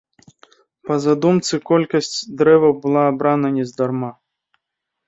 Па задумцы, колькасць дрэваў была абрана нездарма.